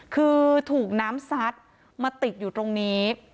คือถูกน้ำซัดมาติดอยู่ตรงนี้